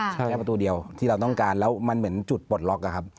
แค่ประตูเดียวที่เราต้องการแล้วมันเหมือนจุดปลดล็อกอะครับ